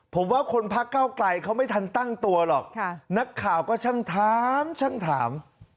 ผมว่าคนพักเก้าไกลเขาไม่ทันตั้งตัวหรอกนักข่าวก็ช่างถามช่างถาม